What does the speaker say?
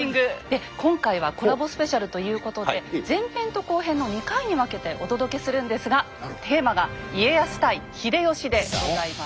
で今回はコラボスペシャルということで前編と後編の２回に分けてお届けするんですがテーマが「家康対秀吉」でございます。